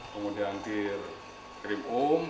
kemudian tir krimum